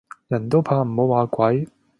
人都怕唔好話鬼